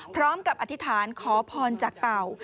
พร้อมกับอธิษฐานขอพรจากเต่า